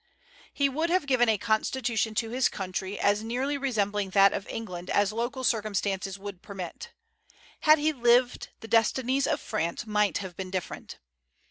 He would have given a constitution to his country as nearly resembling that of England as local circumstances would permit. Had he lived, the destinies of France might have been different.